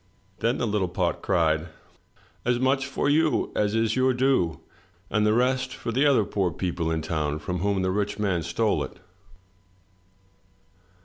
Then the little pot cried: "As much for you as is your due, and the rest for the other poor people in town from whom the rich man stole it."